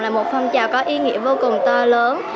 là một phong trào có ý nghĩa vô cùng to lớn